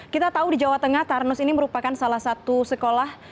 kita tahu di jawa tengah tarnos ini merupakan salah satu sekolah